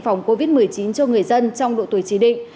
phòng covid một mươi chín cho người dân trong độ tuổi chỉ định